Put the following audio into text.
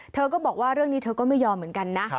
เธอก็บอกว่าเรื่องนี้เธอก็ไม่ยอมเหมือนกันนะ